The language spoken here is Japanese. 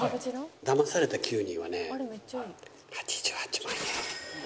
『だまされた９人』はね８８万円。